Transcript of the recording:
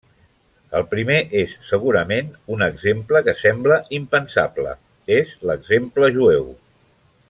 El primer és segurament un exemple que sembla impensable, és l'exemple jueu.